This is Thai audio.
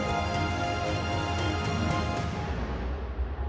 ก็ยังมีปัญหาราคาเข้าเปลือกก็ยังลดต่ำลง